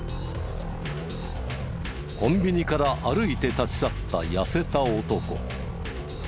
コンビニから歩いて立ち去った痩せた男。